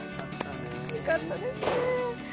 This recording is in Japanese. よかったですね。